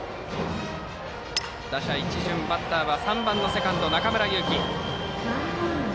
打者一巡でバッターは３番セカンドの中村勇貴。